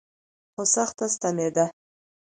خو سخت ستمېده.